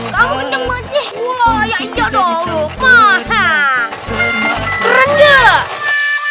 kamu kenceng banget sih